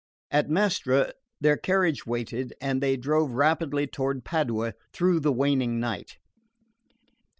At Mestre their carriage waited, and they drove rapidly toward Padua through the waning night.